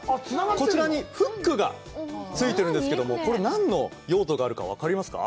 こちらにフックが付いてるんですけどもこれ何の用途があるか分かりますか？